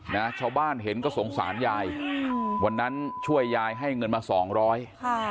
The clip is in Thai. นะชาวบ้านเห็นก็สงสารยายอืมวันนั้นช่วยยายให้เงินมาสองร้อยค่ะ